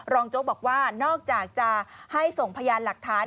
โจ๊กบอกว่านอกจากจะให้ส่งพยานหลักฐาน